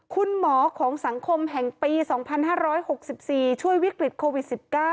คุณหมอของสังคมแห่งปี๒๕๖๔ช่วยวิกฤตโควิด๑๙